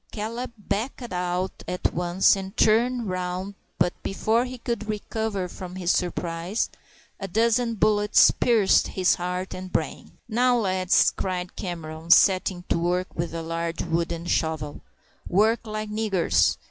Caleb backed out at once and turned round, but before he could recover from his surprise a dozen bullets pierced his heart and brain. "Now, lads," cried Cameron, setting to work with a large wooden shovel, "work like niggers.